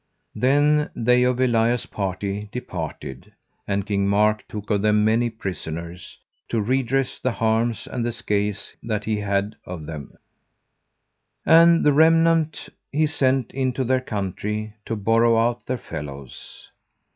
Then they of Elias' party departed, and King Mark took of them many prisoners, to redress the harms and the scathes that he had of them; and the remnant he sent into their country to borrow out their fellows.